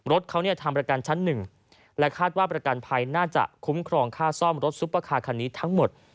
รถเขาทำประกันชั้นหนึ่งและคาดว่าประกันภัยน่าจะคุ้มครองค่าซ่อมรถซุปเปอร์คาร์คันนี้ทั้งหมด